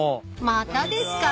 ［またですか？